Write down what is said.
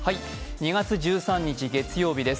２月１３日月曜日です。